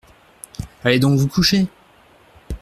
Allez donc vous coucher.